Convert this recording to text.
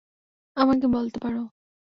আমাকে বলতে পার।